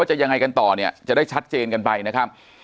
จะยังไงกันต่อเนี่ยจะได้ชัดเจนกันไปนะครับ